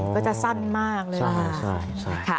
ก็จะสั้นมากเลยนะคะ